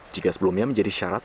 jika sebelumnya menjadi syarat